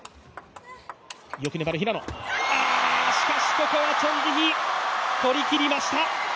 ここはチョン・ジヒ、取り切りました。